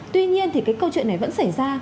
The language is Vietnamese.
tuy nhiên thì cái câu chuyện này vẫn xảy ra